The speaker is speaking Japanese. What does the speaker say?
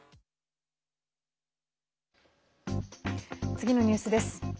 次のニュースです。